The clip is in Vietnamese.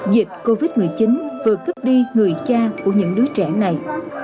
diệp covid một mươi chín vừa cấp đi người cha của những đứa trẻ này